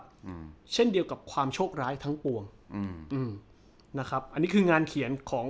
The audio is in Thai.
อืมเช่นเดียวกับความโชคร้ายทั้งปวงอืมอืมนะครับอันนี้คืองานเขียนของ